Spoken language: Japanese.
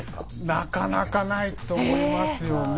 なかなかないと思いますね。